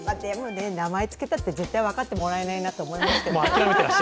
でもね、名前付けたって絶対分かってもらえないなと思う。